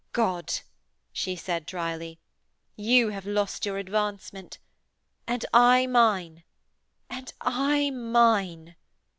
'God!' she said drily, 'you have lost your advancement. And I mine!... And I mine.'